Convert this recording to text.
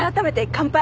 乾杯！